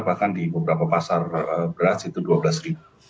bahkan di beberapa pasar beras itu dua belas ribu